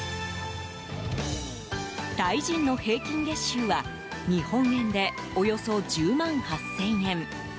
タイ人の平均月収は、日本円でおよそ１０万８０００円。